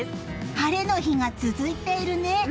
晴れの日が続いているね。